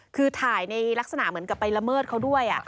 คือถ่ายในลักษณะเหมือนกับไปละเมิดเขาด้วย